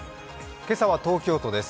今朝は東京都です